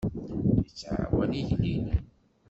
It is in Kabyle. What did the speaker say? Yettɛawan igellilen.